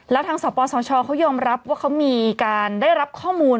แล้วทางสปสชเขายอมรับว่าเขามีการได้รับข้อมูล